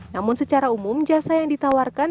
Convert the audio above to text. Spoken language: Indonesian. namun secara umum jasa yang ditawarkan